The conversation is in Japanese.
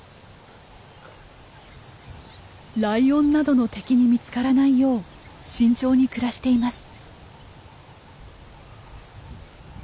ライオンなどの敵に見つからないよう慎重に暮らしています。